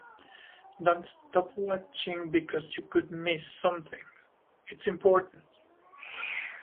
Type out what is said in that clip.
Don’t stop watching because you could miss something. It’s important.